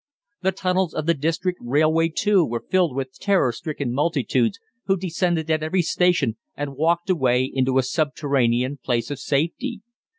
The tunnels of the District Railway, too, were filled with terror stricken multitudes, who descended at every station and walked away into a subterranean place of safety.